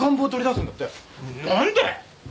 何で？